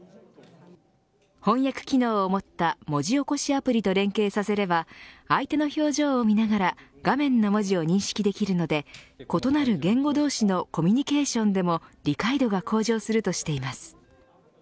翻訳機能を持った文字起こしアプリと連携させれば相手の表情を見ながら画面の文字を認識できるので異なる言語どうしのコミュニケーションでも理解度が向上するとしています。